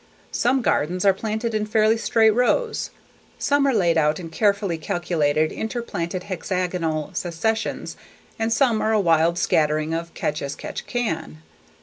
Some gardens are planted in fairly straight rows, some are laid out in carefully calculated interplanted hexagonal successions and some are a wild scattering of catch as catch can.